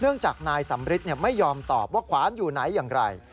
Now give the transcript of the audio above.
จากนายสำริทไม่ยอมตอบว่าขวานอยู่ไหนอย่างไร